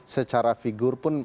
secara figur pun